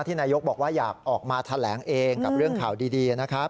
นายกบอกว่าอยากออกมาแถลงเองกับเรื่องข่าวดีนะครับ